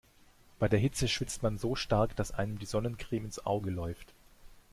Bei der Hitze schwitzt man so stark, dass einem die Sonnencreme ins Auge läuft.